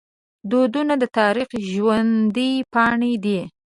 دودونه د تاریخ ژوندي پاڼې دي.